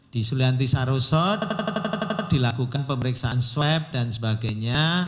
di sulianti saroso dilakukan pemeriksaan swab dan sebagainya